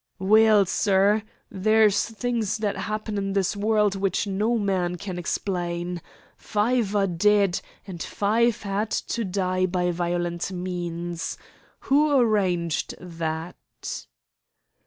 "Weel, sir, there's things that happen in this world which no man can explain. Five are dead, and five had to die by violent means. Who arranged that?"